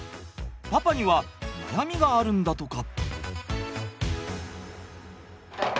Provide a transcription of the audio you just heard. パパには悩みがあるんだとか。